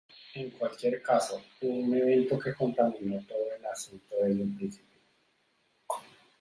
En cualquier caso, hubo un evento que contaminó todo el asunto desde el principio.